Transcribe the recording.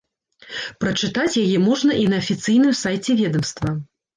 Прачытаць яе можна і на афіцыйным сайце ведамства.